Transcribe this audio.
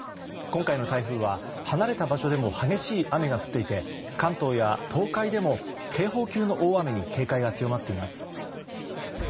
今回の台風は離れた場所でも激しい雨が降っていて関東や東海でも警報級の大雨に警戒が強まっています。